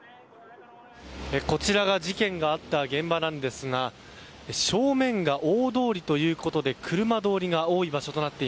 こちらが事件が起きた現場なんですが正面が大通ということで車通りが多い場所です。